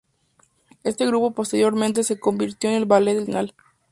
Este grupo posteriormente se convirtió en el El Ballet del Teatro Nacional.